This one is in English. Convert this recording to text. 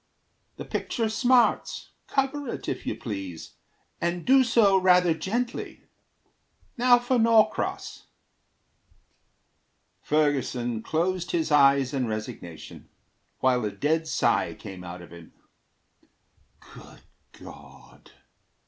The picture smarts. Cover it, if you please, And do so rather gently. Now for Norcross." Ferguson closed his eyes in resignation, While a dead sigh came out of him. "Good God!"